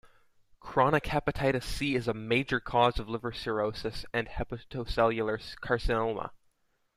Chronic hepatitis C is a major cause of liver cirrhosis and hepatocellular carcinoma.